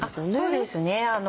そうですね。